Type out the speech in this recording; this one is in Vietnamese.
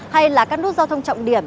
hay là các nút giao thông trọng điểm